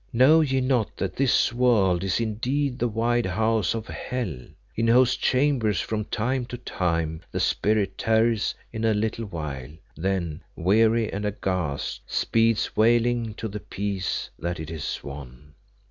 Know ye not that this world is indeed the wide house of hell, in whose chambers from time to time the spirit tarries a little while, then, weary and aghast, speeds wailing to the peace that it has won.